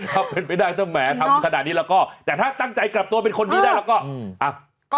ทำเป็นไม่ได้ตั้งแหมทำขนาดนี้แล้วก็แต่ถ้าตั้งใจกลับตัวเป็นคนนี้ได้แล้วก็